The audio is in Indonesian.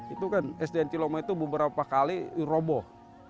itu kan sdn ciloma itu beberapa kali roboh